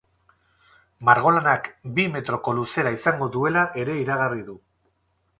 Margolanak bi metroko luzera izango duela ere iragarri du.